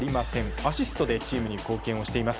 アシストでチームに貢献をしています。